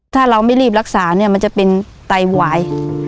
ถ้าเราไม่รีบรักษาเนี่ยมันจะเป็นไตหวาย